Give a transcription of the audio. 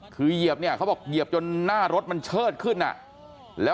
คือเหยียบเนี่ยเขาบอกเหยียบจนหน้ารถมันเชิดขึ้นอ่ะแล้ว